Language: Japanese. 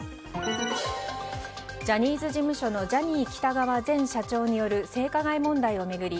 ジャニーズ事務所のジャニー喜多川前社長による性加害問題を巡り